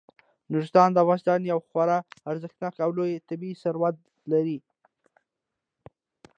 نورستان د افغانستان یو خورا ارزښتناک او لوی طبعي ثروت دی.